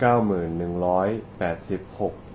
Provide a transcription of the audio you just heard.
คอมเมนต์หนึ่งคิดว่าโน่เป็นคน